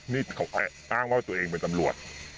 นี่เขาแอบอ้างว่าตัวเองเป็นตำรวจ